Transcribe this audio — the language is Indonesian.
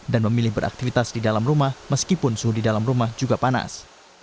dan memilih beraktivitas di dalam rumah meskipun suhu di dalam rumah juga panas